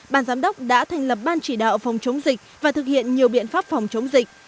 ban giám đốc đã thành lập ban chỉ đạo phòng chống dịch và thực hiện nhiều biện pháp phòng chống dịch